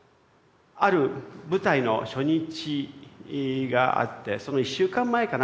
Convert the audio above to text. ある舞台の初日があってその１週間前かな。